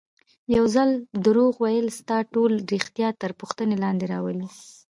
یو ځل دروغ ویل ستا ټول ریښتیا تر پوښتنې لاندې راولي.